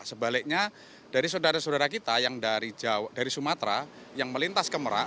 sebaliknya dari saudara saudara kita yang dari sumatera yang melintas ke merak